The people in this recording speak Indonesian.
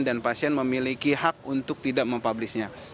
dan pasien memiliki hak untuk tidak mempublishnya